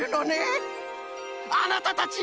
あなたたち！